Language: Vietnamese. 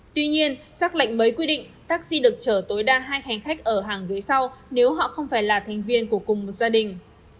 tuy nhiên xác lệnh mới quy định taxi được chở tối đa hai hành khách ở hàng ghế sau nếu họ không phải là thành viên của cùng một gia đình